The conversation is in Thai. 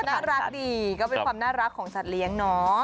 น่ารักดีก็เป็นความน่ารักของสัตว์เลี้ยงเนาะ